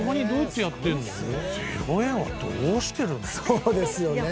そうですよね。